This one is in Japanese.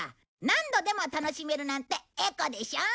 何度でも楽しめるなんてエコでしょ？